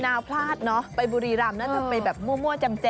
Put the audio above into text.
มีนาวพลาดเนาะไปบุรีรามนั้นทำไมแบบมั่วจำแจ